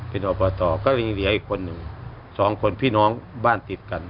เป็นอวัตตรอก็เลยเหลียเยอะอีกคนนึงสองคนพี่น้องบ้านติดกัน